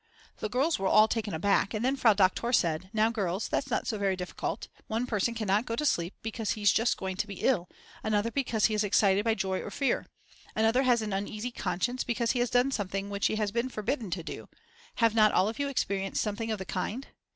The girls were all taken aback, and then Frau Doktor said: Now girls that's not so very difficult. One person cannot go to sleep because he's just going to be ill, another because he is excited by joy or fear. Another has an uneasy conscience because he has done something which he has been forbidden to do; have not all of you experienced something of the kind?